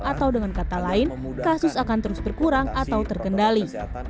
atau dengan kata lain kasus akan terus berkurang atau terkendali